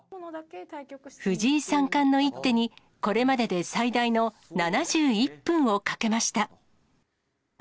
藤井三冠の一手に、これまでで最大の７１分をかけました。